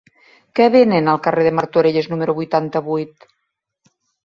Què venen al carrer de Martorelles número vuitanta-vuit?